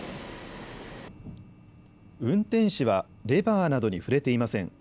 運転士はレバーなどに触れていません。